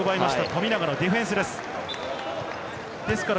富永のディフェンスです。